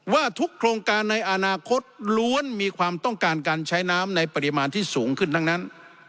ว่าทุกโครงการในอนาคตล้วนมีความต้องการการใช้น้ำในปริมาณที่สูงขึ้นทั้งนั้น